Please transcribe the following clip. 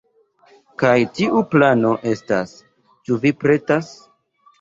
Kaj tiu plano estas... ĉu vi pretas?